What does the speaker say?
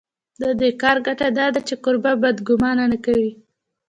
د دې کار ګټه دا ده چې کوربه بد ګومان نه کوي.